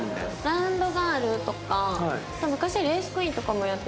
ラウンドガールとか昔はレースクイーンとかもやってて。